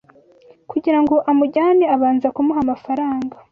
kugira ngo amujyane abanza kumuha amafaranga